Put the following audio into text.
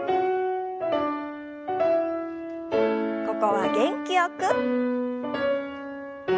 ここは元気よく。